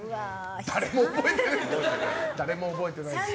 誰も覚えてないですけど。